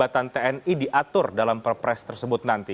perbuatan tni diatur dalam perpres tersebut nanti